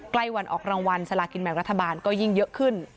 ใกล้วันออกรางวัลสลากินแบ่งรัฐบาลก็ยิ่งเยอะขึ้น